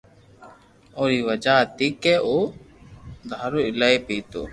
اوري وجہ ھتي ڪي او دھارو ايلائي پيتو